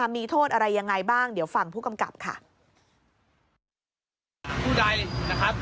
มีโทษอะไรยังไงบ้างเดี๋ยวฟังผู้กำกับค่ะ